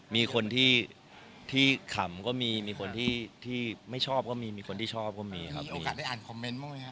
มีคนที่คำก็มีมีคนที่ไม่ชอบก็มีมีคนที่ชอบก็มีครับ